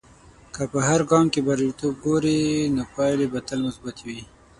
که په هر ګام کې بریالیتوب وګورې، نو پایلې به تل مثبتي وي.